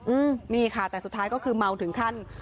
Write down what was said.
อืมนี่ค่ะแต่สุดท้ายก็คือเมาถึงขั้น